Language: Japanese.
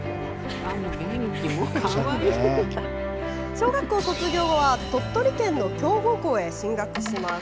小学校卒業後は鳥取県の強豪校へ進学します。